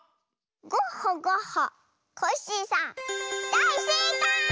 ゴッホゴッホコッシーさんだいせいかい！